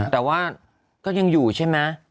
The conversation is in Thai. แต่ว่าก็ยังอยู่ใช่ไหม